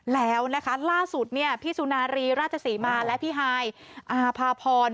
แล้วนะคะล่าสุดเนี่ยพี่สุนารีราชศรีมาและพี่ฮายอาภาพร